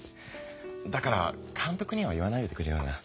だからかんとくには言わないでくれよな。